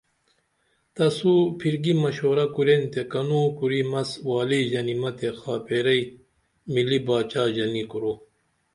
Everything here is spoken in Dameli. تسو پھرکی مشورہ کورین تہ کنو کُری مس والی ژنیمہ تے خاپیرئی ملی باچا ژنی کورو